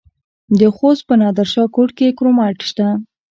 د خوست په نادر شاه کوټ کې کرومایټ شته.